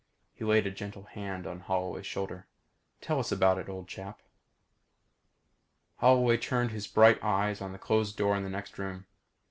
He laid a gentle hand on Holloway's shoulder. "Tell us about it, old chap." Holloway turned his burning eyes on the closed door to the next room.